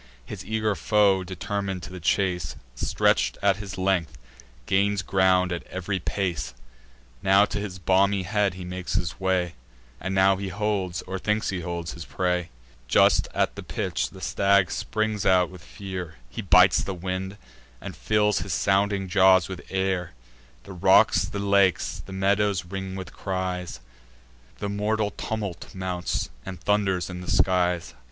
His eager foe, determin'd to the chase, Stretch'd at his length, gains ground at ev'ry pace; Now to his beamy head he makes his way, And now he holds, or thinks he holds, his prey: Just at the pinch, the stag springs out with fear; He bites the wind, and fills his sounding jaws with air: The rocks, the lakes, the meadows ring with cries; The mortal tumult mounts, and thunders in the skies.